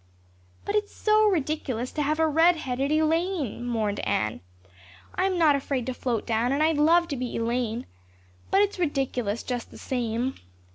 "But it's so ridiculous to have a redheaded Elaine," mourned Anne. "I'm not afraid to float down and I'd love to be Elaine. But it's ridiculous just the same.